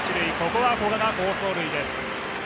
ここは古賀が好走塁です。